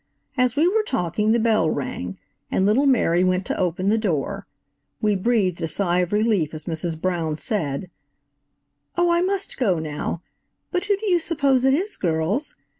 As we were talking the bell rang, and little Mary went to open the door. We breathed a sigh of relief as Mrs. Brown said: "Oh, I must go now–but who do you suppose it is, girls?